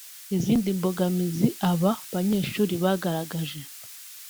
Izindi mbogamizi aba banyeshuri bagaragaje